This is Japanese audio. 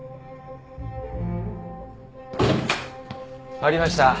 ありました。